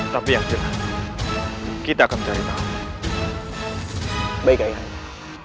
tapi akhir kita akan cari tahu baik ayah anda